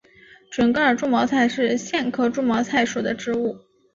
准噶尔猪毛菜是苋科猪毛菜属的植物。